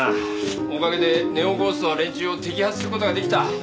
おかげでネオゴーストの連中を摘発する事ができた。